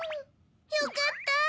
よかった！